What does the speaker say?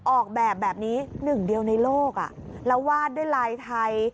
ออกแบบแบบนี้หนึ่งเดียวในโลกแล้ววาดด้วยลายไทย